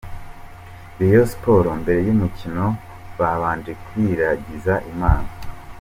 Rayon Sports mbere y'umukino babanje kwiragiza Imana.